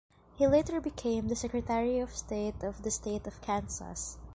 He later became the Secretary of State of the State of Kansas.